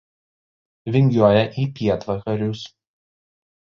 Vingiuoja į pietvakarius.